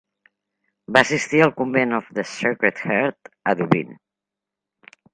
Va assistir al Convent of the Sacred Heart a Dublín.